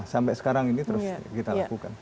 sampai sekarang ini terus kita lakukan